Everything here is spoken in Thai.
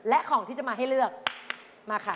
และของที่จะมาให้เลือกมาค่ะ